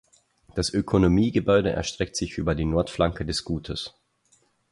Das Ökonomiegebäude erstreckt sich über die Nordflanke des Gutes.